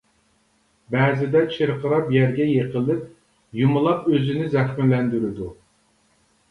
بەزىدە چىرقىراپ يەرگە يىقىلىپ يۇمىلاپ ئۆزىنى زەخىملەندۈرىدۇ.